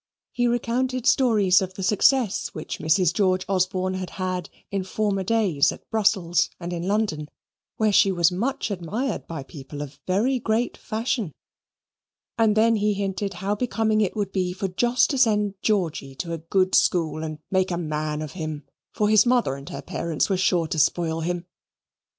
He recounted stories of the success which Mrs. George Osborne had had in former days at Brussels, and in London, where she was much admired by people of very great fashion; and he then hinted how becoming it would be for Jos to send Georgy to a good school and make a man of him, for his mother and her parents would be sure to spoil him.